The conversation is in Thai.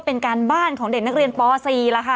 กรมป้องกันแล้วก็บรรเทาสาธารณภัยนะคะ